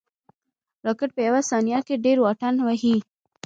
راکټ په یو ثانیه کې ډېر واټن وهي